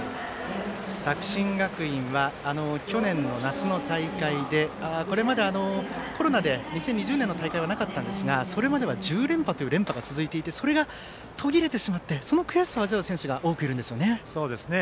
作新学院は去年の夏の大会でこれまでコロナで２０２０年の大会はなかったんですがそれまでは１０連覇という連覇が続いていてそれが途切れてしまってその悔しさを味わう選手が多くいるんですよね。